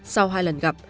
sau hai lần gặp